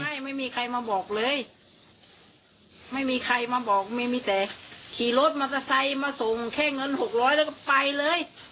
ไม่มีใครมาบอกเลยไม่มีใครมาบอกไม่มีแต่ขี่รถมอเตอร์ไซค์มาส่งแค่เงินหกร้อยแล้วก็ไปเลย